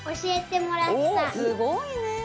すごいね！